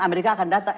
amerika akan datang